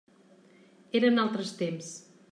Eren altres temps.